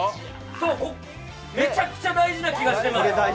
そう、めちゃくちゃ大事な気がしてます。